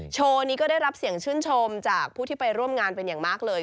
โชว์นี้ก็ได้รับเสียงชื่นชมจากผู้ที่ไปร่วมงานเป็นอย่างมากเลย